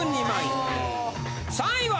３位は。